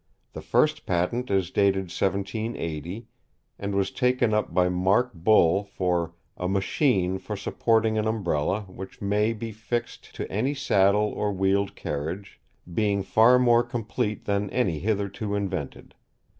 The first patent is dated 1780, and was taken up by Mark Bull for "A machine for supporting an Umbrella, which may be fixt to any saddle or wheel'd carriage, being far more compleat than any hitherto invented."